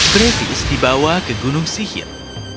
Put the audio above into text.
britis dibawa ke gunung sihir